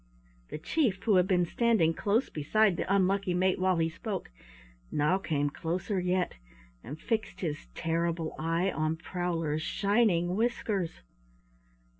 The chief, who had been standing close beside the unlucky mate while he spoke, now came closer yet and fixed his terrible eye on Prowler's shining whiskers.